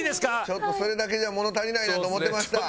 ちょっとそれだけじゃ物足りないなと思ってました。